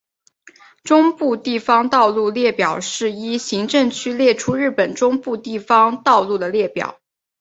中部地方道路列表是依行政区列出日本中部地方道路的列表。